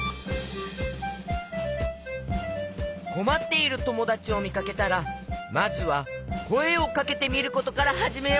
こまっているともだちをみかけたらまずはこえをかけてみることからはじめようね！